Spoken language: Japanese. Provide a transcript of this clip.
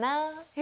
え！